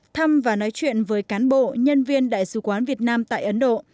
thăm và nói chuyện với cán bộ nhân viên đại sứ quán việt nam tại ấn độ